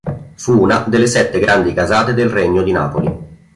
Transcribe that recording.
Fu una delle sette grandi casate del Regno di Napoli.